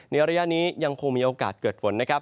ในอรยะนี้ยังคงมีโอกาสเกิดฝน